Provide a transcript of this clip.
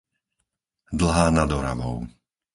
Dlhá nad Oravou